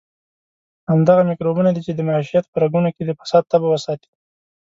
همدغه میکروبونه دي چې د معیشت په رګونو کې د فساد تبه وساتي.